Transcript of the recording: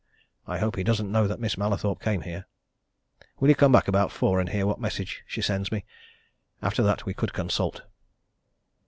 I hope he doesn't know that Miss Mallathorpe came here. Will you come back about four and hear what message she sends me? After that, we could consult."